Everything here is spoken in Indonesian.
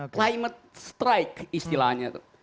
climate strike istilahnya tuh